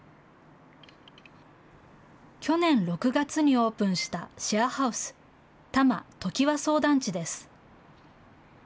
去年６月にオープンしたシェアハウス、多摩トキワソウ団地です。